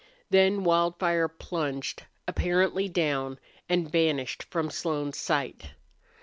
Then Wildfire plunged, apparently down, and vanished from Slone's sight.